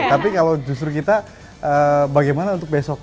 tapi kalau justru kita bagaimana untuk besok